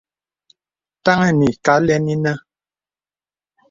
Taŋi nī kǎ ālɛn anə̄.